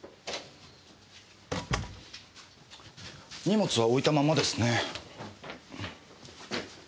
荷物は置いたままですね。